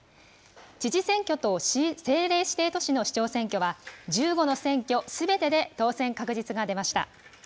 知事選挙と政令指定都市の市長選挙は、１５の選挙すべてで当選確実が出ました。